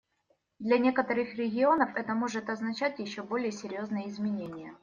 Для некоторых регионов это может означать еще более серьезные изменения.